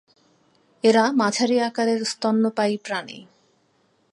এরা মাঝারি আকারের স্তন্যপায়ী প্রাণী।